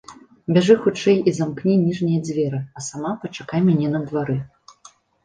Бяжы хутчэй і замкні ніжнія дзверы, а сама пачакай мяне на двары.